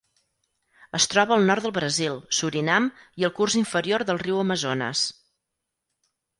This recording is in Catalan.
Es troba al nord del Brasil, Surinam i el curs inferior del riu Amazones.